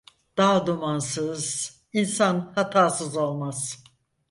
Dağ dumansız insan hatasız olmaz.